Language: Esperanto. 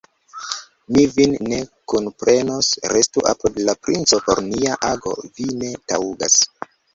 Mi vin ne kunprenos, restu apud la princo, por nia ago vi ne taŭgas.